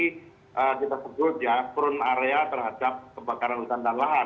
kita sebut ya prune area terhadap kebakaran hutan dan lahan